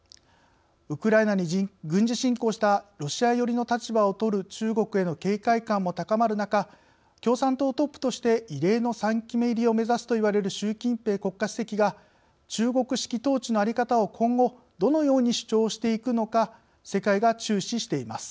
ウクライナに軍事侵攻したロシア寄りの立場をとる中国への警戒感も高まる中共産党トップとして異例の３期目入りを目指すといわれる習近平国家主席が中国式統治の在り方を今後どのように主張していくのか世界が注視しています。